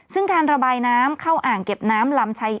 ซึ่งการระบายน้ำเข้าอ่างเก็บน้ำลำชัย